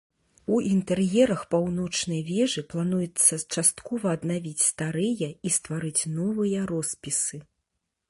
У інтэр'ерах паўночнай вежы плануецца часткова аднавіць старыя і стварыць новыя роспісы.